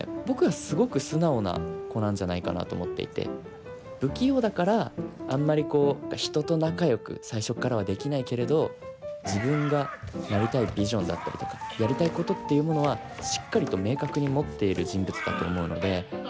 僕はすごく素直な子なんじゃないかなと思っていて不器用だからあんまりこう人と仲よく最初っからはできないけれど自分がなりたいビジョンだったりとかやりたいことっていうものはしっかりと明確に持っている人物だと思うので。